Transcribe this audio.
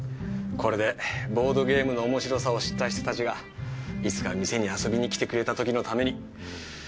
これでボードゲームのおもしろさを知った人たちがいつか店に遊びにきてくれたときのために。